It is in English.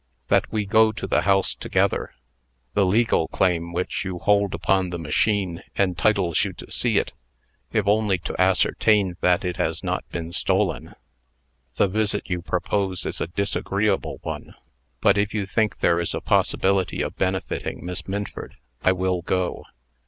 "That we go to the house together. The legal claim which you hold upon the machine entitles you to see it, if only to ascertain that it has not been stolen." "The visit you propose is a disagreeable one; but if you think there is a possibility of benefiting Miss Minford, I will go.